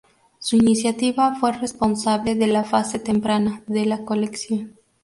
Su iniciativa fue responsable de la fase temprana de la colección.